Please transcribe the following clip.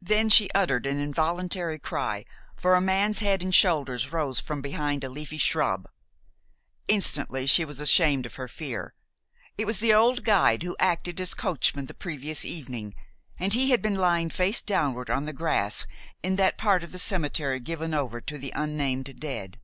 Then she uttered an involuntary cry, for a man's head and shoulders rose from behind a leafy shrub. Instantly she was ashamed of her fear. It was the old guide who acted as coachman the previous evening, and he had been lying face downward on the grass in that part of the cemetery given over to the unnamed dead.